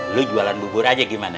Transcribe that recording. lu jualan bubur aja gimana